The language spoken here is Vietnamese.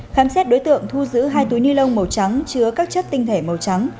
khám xét đối tượng thu giữ hai túi ni lông màu trắng chứa các chất tinh thể màu trắng